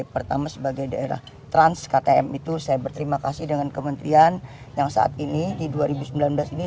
pertama sebagai daerah trans ktm itu saya berterima kasih dengan kementerian yang saat ini di dua ribu sembilan belas ini